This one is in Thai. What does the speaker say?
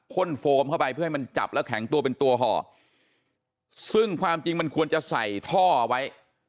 ่นโฟมเข้าไปเพื่อให้มันจับแล้วแข็งตัวเป็นตัวห่อซึ่งความจริงมันควรจะใส่ท่อเอาไว้